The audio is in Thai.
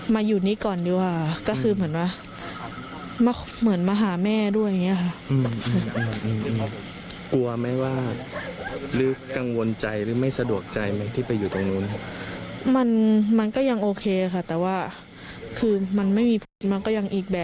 ไม่รู้จะพูดอะไรกับเรามากอย่างนี้ค่ะ